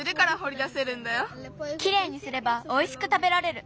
きれいにすればおいしくたべられる。